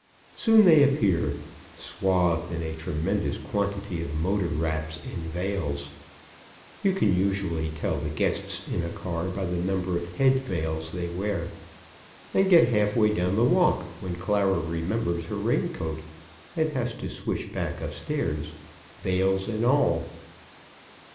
Soon they appear, swathed in a tremendous quantity of motor wraps and veils (you can usually tell the guests in a car by the number of head veils they wear) and get halfway down the walk, when Clara remembers her rain coat and has to swish back upstairs, veils and all.